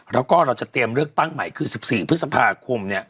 แล้วก็เราจะเตรียมเลือกตั้งใหม่คือ๑๔พฤษภาคม